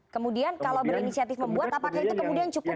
kemudian kalau berinisiatif membuat apakah itu kemudian cukup